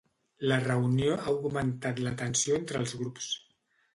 La reunió ha augmentat la tensió entre els grups.